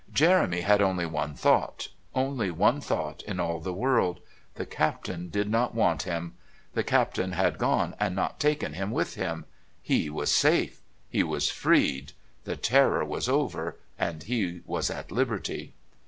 Jeremy had only one thought only one thought in all the world. The Captain did not want him. The Captain had gone and not taken him with him. He was safe; he was freed; the terror was over and he was at liberty.